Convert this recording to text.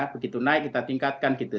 begitu naik kita tingkatkan gitu